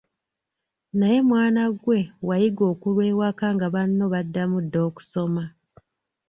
Naye mwana ggwe wayiga okulwa ewaka nga banno baddamu dda okusoma.